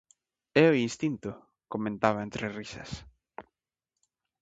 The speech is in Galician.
"É o instinto", comentaba entre risas.